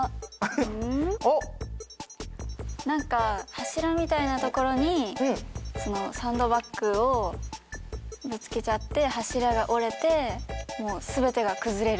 柱みたいな所にサンドバッグをぶつけちゃって柱が折れて全てが崩れる。